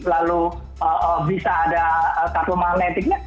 lalu bisa ada kartu magnetiknya